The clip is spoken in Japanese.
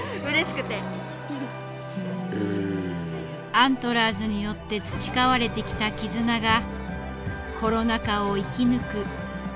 アントラーズによって培われてきた絆がコロナ禍を生き抜く力となった。